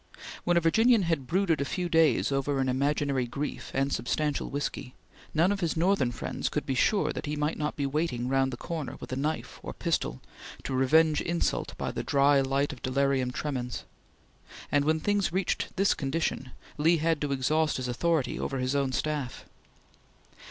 When a Virginian had brooded a few days over an imaginary grief and substantial whiskey, none of his Northern friends could be sure that he might not be waiting, round the corner, with a knife or pistol, to revenge insult by the dry light of delirium tremens; and when things reached this condition, Lee had to exhaust his authority over his own staff.